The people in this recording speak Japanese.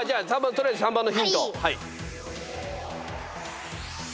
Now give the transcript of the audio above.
取りあえず３番のヒント。